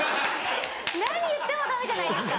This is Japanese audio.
何言ってもダメじゃないですか。